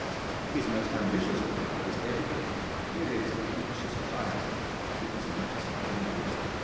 His most ambitious work was dedicated in periods of unctuous piety to his Majesty King George III.